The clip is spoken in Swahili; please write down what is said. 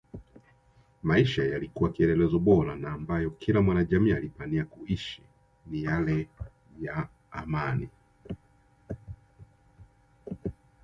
Maisha yaliyokuwa kielelezo bora na ambayo kila mwanajamii alipania kuishi ni yale ya amani